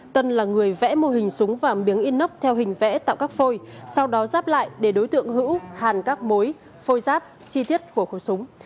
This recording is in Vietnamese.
tân là người vẽ mô hình súng và miếng inox theo hình vẽ tạo các phôi sau đó ráp lại để đối tượng hữu hàn các mối phôi ráp chi tiết của khẩu súng